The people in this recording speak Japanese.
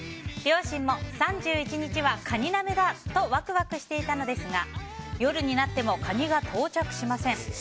両親も３１日はカニ鍋だ！とワクワクしていたのですが夜になってもカニは到着しません。